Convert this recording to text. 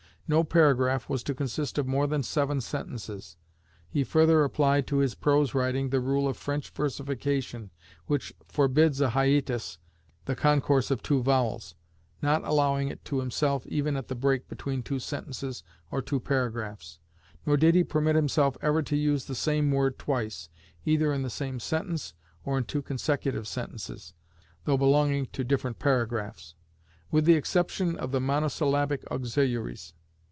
No paragraph was to consist of more than seven sentences. He further applied to his prose writing the rule of French versification which forbids a _hiatus_(the concourse of two vowels), not allowing it to himself even at the break between two sentences or two paragraphs; nor did he permit himself ever to use the same word twice, either in the same sentence or in two consecutive sentences, though belonging to different paragraphs: with the exception of the monosyllabic auxiliaries.